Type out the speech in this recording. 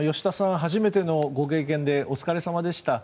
初めてのご経験でお疲れ様でした。